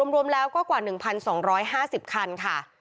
รวมแล้วก็กว่า๑๒๕๐คันค่ะ